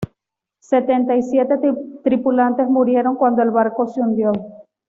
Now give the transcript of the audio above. Setenta y siete tripulantes murieron cuando el barco se hundió.